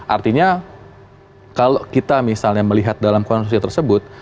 artinya kalau kita misalnya melihat dalam konsumsi tersebut